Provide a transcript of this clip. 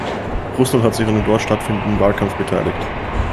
Russland hat sich an dem dort stattfindenden Wahlkampf beteiligt.